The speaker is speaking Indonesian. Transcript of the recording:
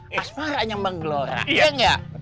pasparanya bang gelora iya